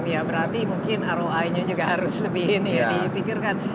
ya berarti mungkin roi nya juga harus lebih ini ya dipikirkan